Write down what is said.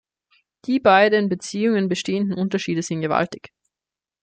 Die bei den Beziehungen bestehenden Unterschiede sind gewaltig.